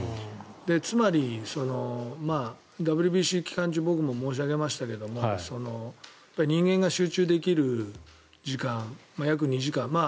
つまり、ＷＢＣ期間中僕も申し上げましたけど人間が集中できる時間約２時間。